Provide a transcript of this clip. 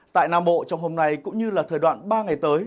tại nam bộ trong hôm nay cũng như là thời đoạn ba ngày tới